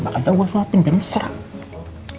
makan aja gua suapin biar enggak seram